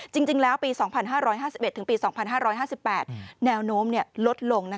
จริงแล้วปี๒๕๕๑ถึงปี๒๕๕๘แนวโน้มลดลง